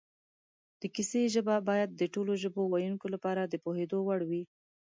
د کیسې ژبه باید د ټولو ژبې ویونکو لپاره د پوهېدو وړ وي